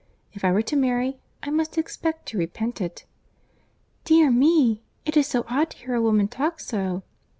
If I were to marry, I must expect to repent it." "Dear me!—it is so odd to hear a woman talk so!"